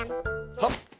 はっ！